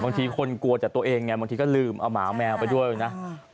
บางทีคนกลัวแต่ตัวเองไงบางทีก็ลืมเอาหมาแมวไปด้วยนะ